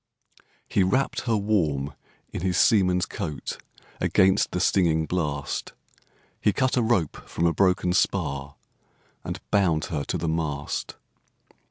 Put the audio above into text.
He wrapp'd her warm in his seaman's coat Against the stinging blast; He cut a rope from a broken spar, And bound her to the mast.